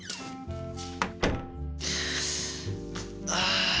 ああ。